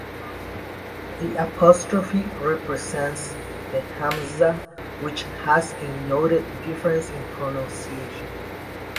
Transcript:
The apostrophe represents the hamza, which has a noted difference in pronunciation.